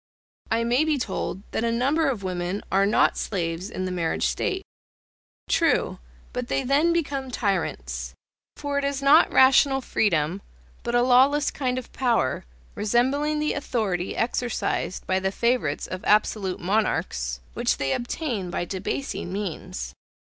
I may be told that a number of women are not slaves in the marriage state. True, but they then become tyrants; for it is not rational freedom, but a lawless kind of power, resembling the authority exercised by the favourites of absolute monarchs, which they obtain by debasing means.